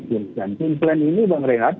kursi dan kursi ini bang rehat